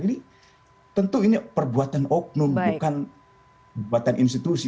ini tentu perbuatan oknum bukan perbuatan institusi